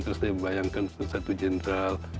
terus saya membayangkan satu satu general